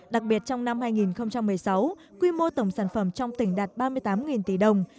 đặc biệt trong năm hai nghìn một mươi sáu quy mô tổng sản phẩm trong tỉnh đạt ba mươi tám tỷ đồng